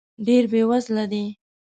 ډېر بې وزله دی .